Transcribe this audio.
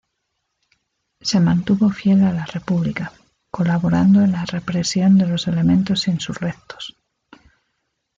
Se mantuvo fiel a la República, colaborando en la represión de los elementos insurrectos.